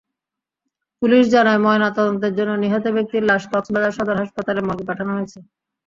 Police জানায়, ময়নাতদন্তের জন্য নিহত ব্যক্তির লাশ কক্সবাজার সদর হাসপাতালের মর্গে পাঠানো হয়েছে।